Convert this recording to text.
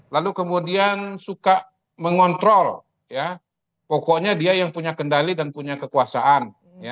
lalu kemudian suka mengontrol pokoknya dia yang punya kendali dan punya kekuasaan